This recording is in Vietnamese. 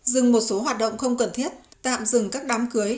dừng một số hoạt động không cần thiết tạm dừng các đám cưới